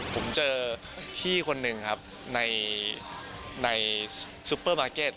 ผมเจอพี่คนหนึ่งครับในซุปเปอร์มาร์เก็ต